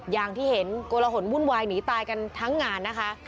อย่างที่เห็นโกลหนวุ่นวายหนีตายกันทั้งงานนะคะ